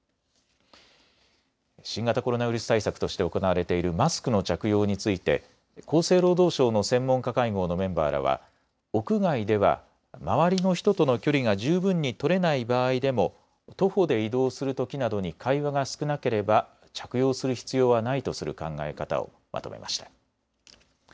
新型コロナウイルス対策として行われているマスクの着用について厚生労働省の専門家会合のメンバーらは屋外では周りの人との距離が十分に取れない場合でも徒歩で移動するときなどに会話が少なければ着用する必要はないとする考え方をまとめました。